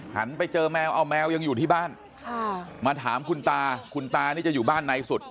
หันไปเจอแมวเอาแมวยังอยู่ที่บ้านมาถามคุณตาคุณตานี่จะอยู่บ้านในสุด